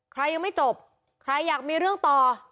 ยังไม่จบใครอยากมีเรื่องต่อ